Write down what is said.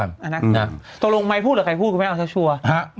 อันที่น่ะตกลงไม่พูดหรือใครพูดคุณแม่ออกแสดงจริง